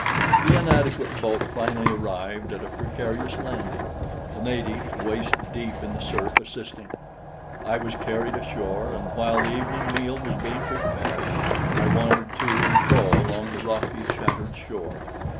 The inadequate boat finally arrived at a precarious landing, the natives, waist deep in the surf, assisting. I was carried ashore, and while the evening meal was being prepared, I wandered to and fro along the rocky, shattered shore.